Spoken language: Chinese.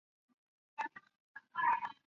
朱买臣人。